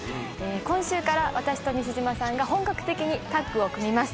今週から私と西島さんが本格的にタッグを組みます。